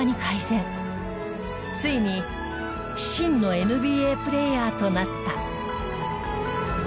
ついに真のＮＢＡプレーヤーとなった。